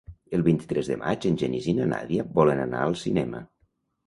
El vint-i-tres de maig en Genís i na Nàdia volen anar al cinema.